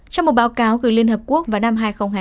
trong một báo cáo từ liên hợp quốc vào năm hai nghìn hai mươi một